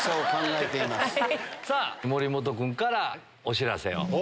森本君からお知らせを。